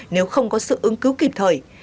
nếu không có sự ứng cứu kịp thời